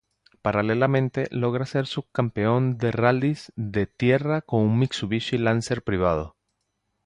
Paralelamente, logra ser subcampeón de Rallyes de Tierra con un Mitsubishi Lancer privado.